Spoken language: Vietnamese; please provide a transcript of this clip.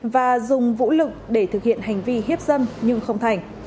và dùng vũ lực để thực hiện hành vi hiếp dâm nhưng không thành